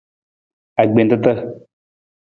Agbentata.